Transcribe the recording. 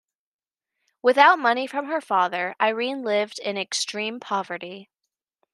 Without money from her father, Irene lived in extreme poverty.